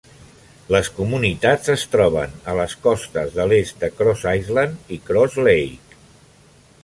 Les comunitats es troben a les costes de l'est de Cross Island i Cross Lake.